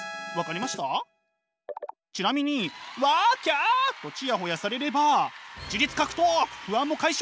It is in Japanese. ちなみにワキャとチヤホヤされれば自律獲得不安も解消！